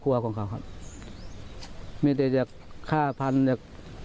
กับครอบครัวกันครับมีแต่จะฆ่าพันธุ์จัง